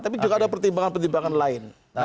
tapi juga ada pertimbangan pertimbangan lain